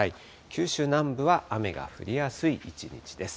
九州南部は雨が降りやすい一日です。